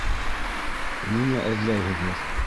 -Ниңә эҙләйһегеҙ?